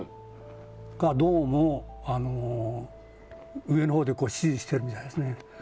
それがどうも、上のほうで指示してるみたいですね。